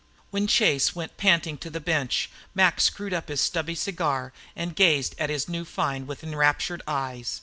When Chase went panting to the bench Mac screwed up his stubby cigar and gazed at his new find with enraptured eyes.